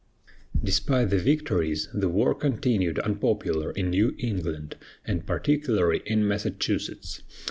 Despite the victories, the war continued unpopular in New England, and particularly in Massachusetts.